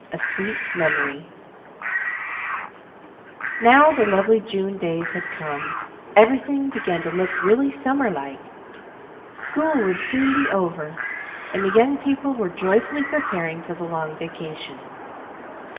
A Sweet Memory Now the lovely June days had come, everything began to look really summer like; school would soon be over, and the young people were joyfully preparing for the long vacation.